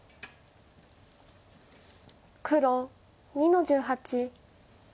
黒２の十八。